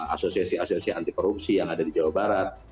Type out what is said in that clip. asoesi asoesi anti korupsi yang ada di jawa barat